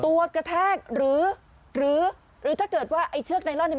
เออตัวกระแทกหรือหรือหรือถ้าเกิดว่าไอ้เชือกไนลอนเนี้ย